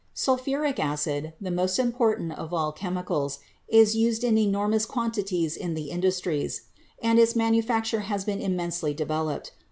Sulphuric acid, the most important of all chemicals, is used in enormous quantities in the industries, and its manufacture has been immensely developed.